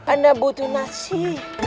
anda butuh nasi